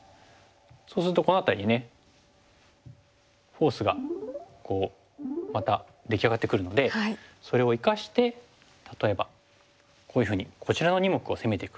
そうするとこの辺りにねフォースがまた出来上がってくるのでそれを生かして例えばこういうふうにこちらの２目を攻めていく。